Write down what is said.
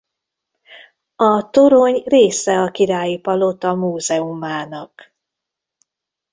A torony része a királyi palota múzeumának.